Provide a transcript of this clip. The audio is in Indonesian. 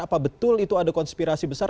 apa betul itu ada konspirasi besar